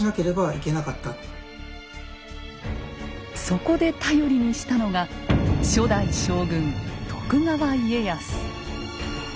そこで頼りにしたのが初代将軍徳川家康。